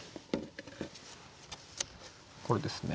これですね。